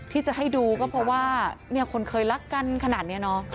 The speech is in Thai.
ที่จะให้ดูก็เพราะว่าคนเคยรักกันขนาดนี้เนาะ